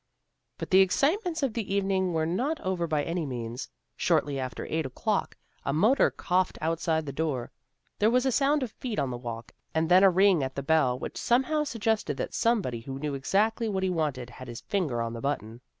But the excitements of the evening were not over by any means. Shortly after eight o'clock, a motor coughed outside the door. There was a sound of feet on the walk and then a ring at the bell which somehow suggested that somebody who knew exactly what he wanted had his finger on the button.